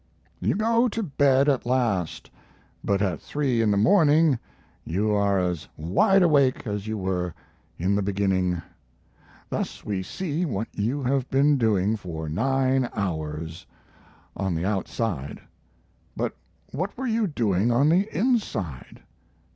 You go to bed at last; but at three in the morning you are as wide awake as you were in the beginning. Thus we see what you have been doing for nine hours on the outside. But what were you doing on the inside?